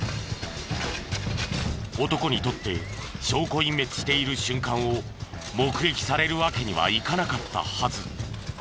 男にとって証拠隠滅している瞬間を目撃されるわけにはいかなかったはず。